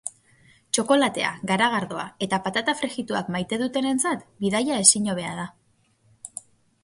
Txokolatea, garagardoa eta patata frijituak maite dutenentzat bidaia ezin hobea da.